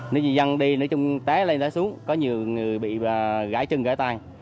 nếu dân đi tế lên tế xuống có nhiều người bị gãi chân gãi tay